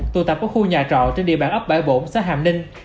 tụ tập ở khu nhà trọ trên địa bàn ấp bãi bổn xã hàm ninh